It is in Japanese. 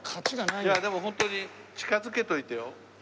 いやでもホントに近づけといてよ。